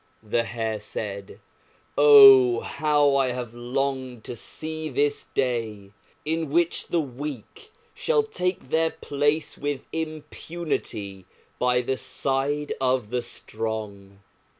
The Hare said, "Oh, how I have longed to see this day, in which the weak shall take their place with impunity by the side of the strong."